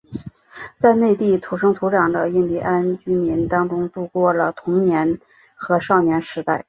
在内地土生土长的印第安居民当中度过了童年和少年时代。